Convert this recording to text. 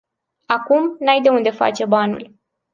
Acum, n-ai de unde face banul.